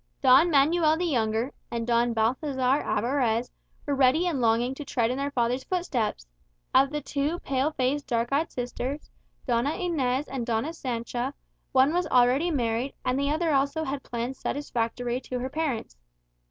Don Manuel the younger, and Don Balthazar Alvarez, were ready and longing to tread in their father's footsteps. Of the two pale faced dark eyed sisters, Doña Inez and Doña Sancha, one was already married, and the other had also plans satisfactory to her parents.